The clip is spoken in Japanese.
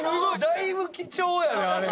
だいぶ貴重やであれは。